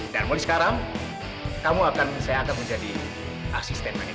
dan mulai sekarang kamu akan saya akan menjadi asisten manajer